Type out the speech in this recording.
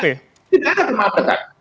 tidak ada kemandekan